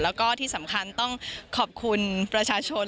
แล้วก็ที่สำคัญต้องขอบคุณประชาชน